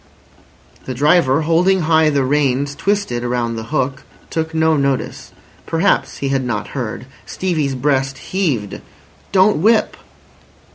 The driver, holding high the reins twisted around the hook, took no notice. Perhaps he had not heard. Stevie's breast heaved. "Don't whip."